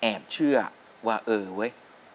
เชื่อว่าเออเว้ย